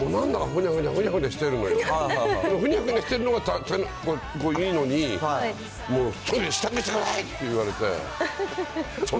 ふにゃふにゃしてるのが、いいのに、早く支度してくださいって言われて。